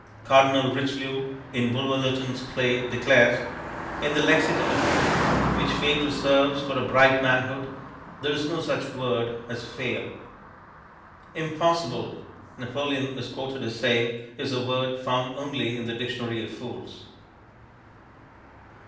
Cardinal Richelieu in Bulwer Lytton's play declares: "In the lexicon of youth, which fate reserves For a bright manhood, there is no such word As 'fail.'" "Impossible," Napoleon is quoted as saying, "is a word found only in the dictionary of fools."